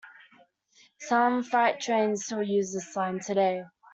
Some freight trains still use this line today.